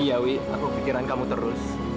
iya wi aku pikiran kamu terus